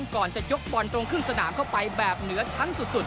ก่อนจะยกบอลตรงขึ้นสนามเข้าไปแบบเหนือชั้นสุด